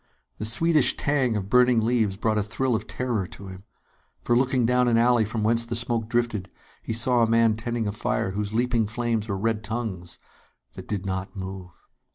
The sweetish tang of burning leaves brought a thrill of terror to him; for, looking down an alley from whence the smoke drifted, he saw a man tending a fire whose leaping flames were red tongues that did not move.